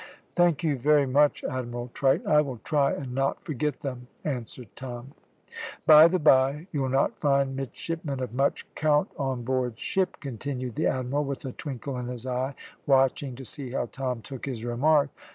"Thank you very much, Admiral Triton; I will try and not forget them," answered Tom. "By the bye, you'll not find midshipmen of much 'count on board ship," continued the Admiral, with a twinkle in his eye, watching to see how Tom took his remark.